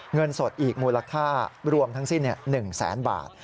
เงินสดอีกมูลค่ารวมทั้งสิ้น๑แสนบาท